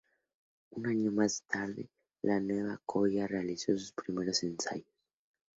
Un año más tarde la nueva "colla" realizó sus primero ensayos.